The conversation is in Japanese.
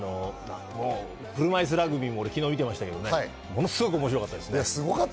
車いすラグビーも昨日見てましたけど、ものすごく面白かったです。